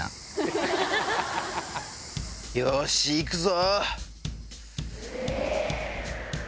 よし行くぞ！